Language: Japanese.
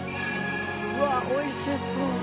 うわあおいしそう。